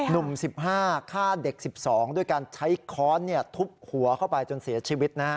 หนุ่ม๑๕ฆ่าเด็ก๑๒ด้วยการใช้ค้อนทุบหัวเข้าไปจนเสียชีวิตนะฮะ